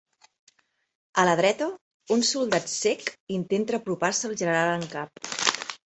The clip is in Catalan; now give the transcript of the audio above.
A la dreta, un soldat cec intenta apropar-se al general en cap.